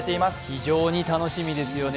非常に楽しみですよね。